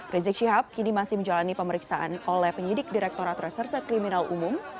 rizik syihab kini masih menjalani pemeriksaan oleh penyidik direkturat reserse kriminal umum